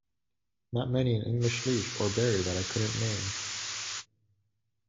Not many an English leaf or berry that I couldn't name.